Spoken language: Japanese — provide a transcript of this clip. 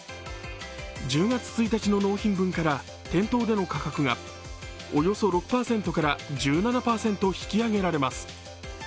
１０月１日の納品分から店頭での価格がおよそ６％から１７％引き揚げられます